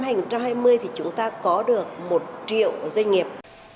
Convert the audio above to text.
năm hai nghìn hai mươi thì chúng ta có được một triệu doanh nghiệp